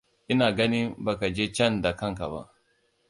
Ina ganin baka je can da kanka ba.